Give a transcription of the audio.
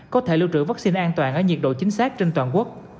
có thể lưu trữ vaccine an toàn ở nhiệt độ chính xác trên toàn quốc